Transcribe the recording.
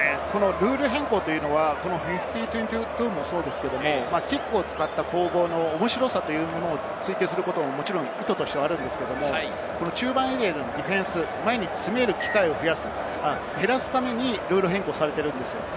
ルール変更は５０：２２もそうですけれどキックを使った攻防の面白さも追求することは意図としてあるんですが、中盤エリアでのディフェンス、前に詰める機会を減らすためにルール変更されているんです。